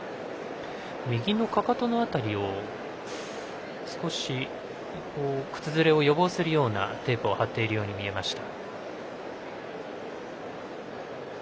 右のかかとの辺りに少し靴擦れを予防するようなテープを貼っているように見えました。